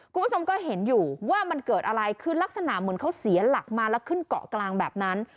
คุณผู้ชมก็เห็นอยู่ว่ามันเกิดอะไรคือลักษณะเหมือนเขาเสียหลักมาแล้วขึ้นเกาะกลางแบบนั้น